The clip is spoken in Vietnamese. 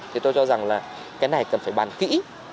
thì tôi cho rằng là cái này cần phải bàn kỹ